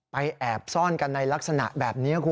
แอบซ่อนกันในลักษณะแบบนี้คุณ